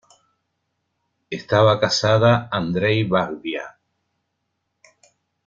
Estaba casada Andrzej Wajda.